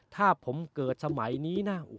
ถ้าผมเกิดสมัยนี้นะ